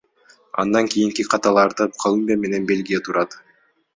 Андан кийинки катарларда Колумбия менен Бельгия турат.